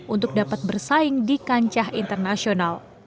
untuk dapat bersaing di kancah internasional